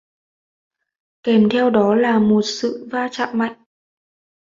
Kèm theo đó là một sự va chạm mạnh